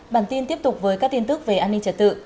bản tin tiếp tục với các tin tức về an ninh trật tự